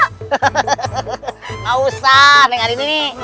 enggak usah dengan ini